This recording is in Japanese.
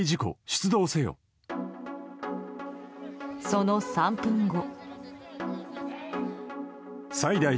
その３分後。